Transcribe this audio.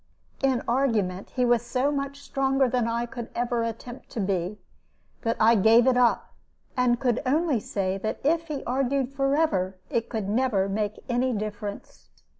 In argument he was so much stronger than I could ever attempt to be that I gave it up, and could only say that if he argued forever it could never make any difference.